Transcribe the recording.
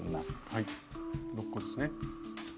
はい６個ですね。